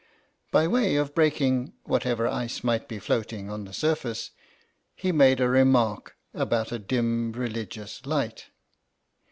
By way of breaking whatever ice might be floating on the surface he made a remark about a dim religious light.